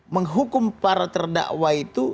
menghukum para terdakwa itu